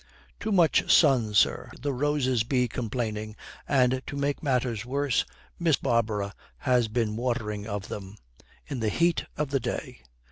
'Too much sun, sir. The roses be complaining, and, to make matters worse, Miss Barbara has been watering of them in the heat of the day.'